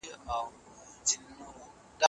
اقتصادي پرمختيا د عامه هوسايني لپاره ده.